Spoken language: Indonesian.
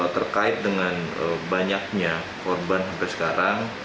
terkait dengan banyaknya korban sampai sekarang